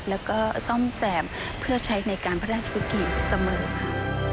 และการซ่อมแสมเพื่อใช้ในการพระราชภิกษ์เสมอมา